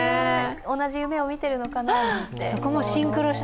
同じ夢を見てるのかな、なんて。